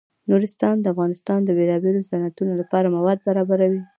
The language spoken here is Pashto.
نورستان د افغانستان د بیلابیلو صنعتونو لپاره مواد پوره برابروي.